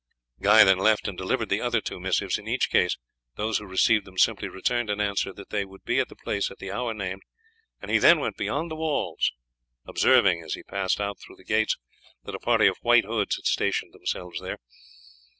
Guy then left, and delivered the other two missives. In each case those who received them simply returned an answer that they would be at the place at the hour named, and he then went beyond the walls, observing as he passed out through the gates that a party of White Hoods had stationed themselves there.